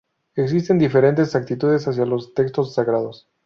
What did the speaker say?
Existen diferentes actitudes hacia los textos sagrados.